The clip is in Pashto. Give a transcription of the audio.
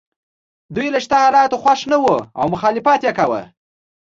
دوی له شته حالاتو خوښ نه وو او مخالفت یې کاوه.